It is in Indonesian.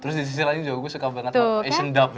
terus di sisi lain juga gue suka banget sama asian dup